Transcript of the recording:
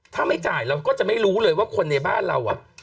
ถ้าไม่จ่ายเราก็จะไม่รู้เลยว่าคนในบ้านเรา